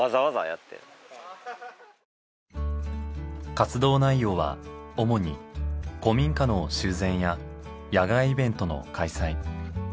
活動内容は主に古民家の修繕や野外イベントの開催。